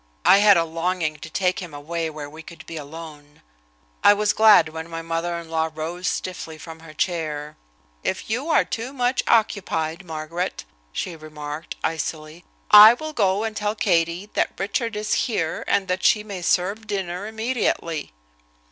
I had a longing to take him away where we could be alone. I was glad when my mother in law rose stiffly from her chair. "If you are too much occupied, Margaret," she remarked, icily, "I will go and tell Katie that Richard is here, and that she may serve dinner immediately."